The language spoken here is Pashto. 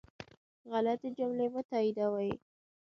غلطي جملې مه تائیدوئ